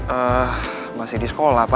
eee masih di sekolah pak